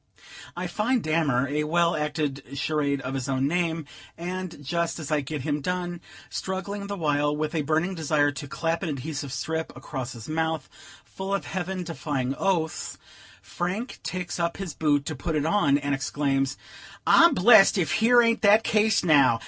I find Dammer a well acted charade of his own name, and, just as I get him done, struggling the while with a burning desire to clap an adhesive strip across his mouth, full of heaven defying oaths, Frank takes up his boot to put it on, and exclaims: "I'm blest ef here ain't that case now!